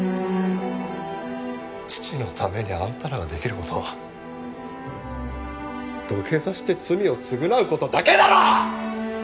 父のためにあんたらができる事は土下座して罪を償う事だけだろ！！